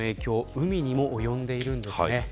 海にもおよんでいるんですね。